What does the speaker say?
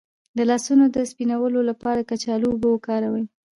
د لاسونو د سپینولو لپاره د کچالو اوبه وکاروئ